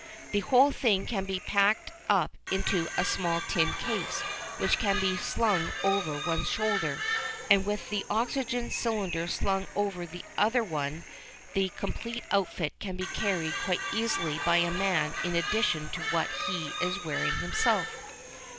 The whole thing can be packed up into a small tin case which can be slung over one shoulder, and with the oxygen cylinder slung over the other one the complete outfit can be carried quite easily by a man in addition to what he is wearing himself.